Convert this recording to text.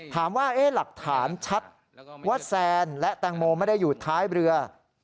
หลักฐานชัดว่าแซนและแตงโมไม่ได้อยู่ท้ายเรือ